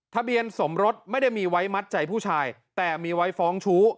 ทะเบียนสมรสไม่ได้มีไว้มัดใจผู้ชายแต่มีไว้ฟ้องชู้